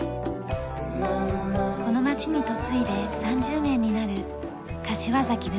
この町に嫁いで３０年になる柏崎ルミさん。